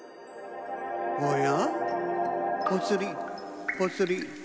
おや？